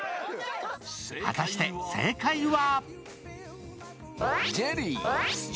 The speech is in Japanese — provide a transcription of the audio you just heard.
果たして正解は？